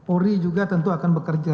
ori juga tentu akan bekerja